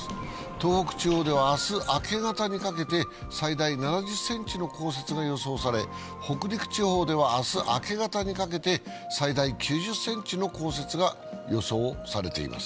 東北地方では明日明け方にかけて最大７０ｃｍの降雪が予想され、北陸地方では明日明け方にかけて最大９０ｃｍの降雪が予想されています。